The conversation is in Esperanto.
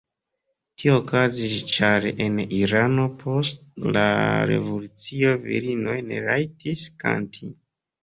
Tio okazis ĉar en Irano post la revolucio virinoj ne rajtis kanti.